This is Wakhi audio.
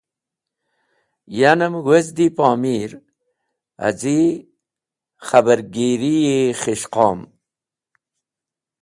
Yanem wezdi Pomir, azi khabargiri-e khis̃hqom.